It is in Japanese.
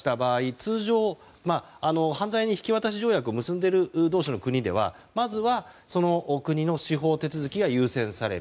通常、犯罪人引き渡し条約を結んでいる同士の国ではまずは国の司法手続きが優先される。